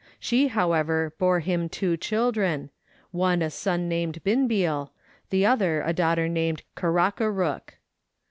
She, however, bore him two children, one a son named Binbeal, 1 the other a daughter named Karakarook.